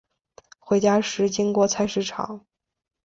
回家时经过菜市场